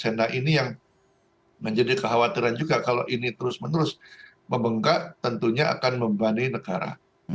nah ini yang menjadi kekhawatiran juga kalau ini terus menerus membengkak tentunya akan membanding negara